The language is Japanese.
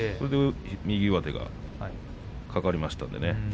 右上手がかかりましたのでね。